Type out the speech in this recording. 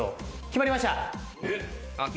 決まりました。